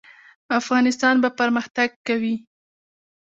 افغانستان به پرمختګ کوي؟